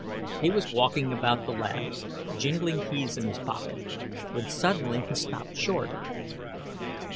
He was walking about the lab, jingling keys in his pocket, when suddenly he stopped short.